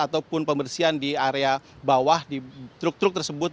ataupun pembersihan di area bawah di truk truk tersebut